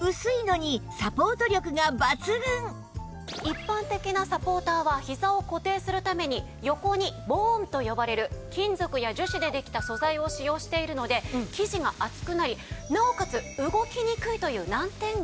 一般的なサポーターはひざを固定するために横にボーンと呼ばれる金属や樹脂でできた素材を使用しているので生地が厚くなりなおかつ動きにくいという難点があるんです。